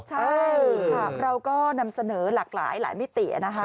ใช่ค่ะเราก็นำเสนอหลากหลายมิตินะคะ